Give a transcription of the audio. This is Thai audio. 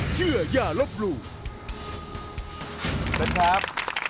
เต้นครับ